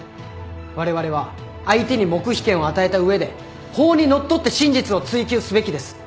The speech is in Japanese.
われわれは相手に黙秘権を与えた上で法にのっとって真実を追及すべきです。